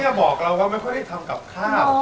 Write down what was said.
บอกเราว่าไม่ค่อยได้ทำกับข้าว